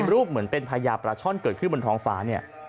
รูปเหมือนผัยาปราชนเกิดขึ้นขึ้นบนท้องฟ้า